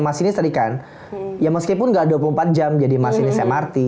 mas ini tadi kan ya meskipun gak dua puluh empat jam jadi mas ini saya marti